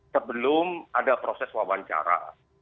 sebelum ada proses wawancara